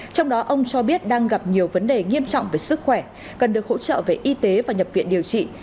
trong đó ông cho biết đang gặp nhiều vấn đề nghiêm trọng về sức khỏe cần được hỗ trợ về y tế và nhập viện điều trị